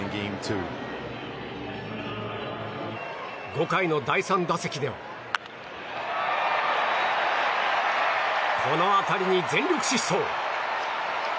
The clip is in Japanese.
５回の第３打席ではこの当たりに全力疾走。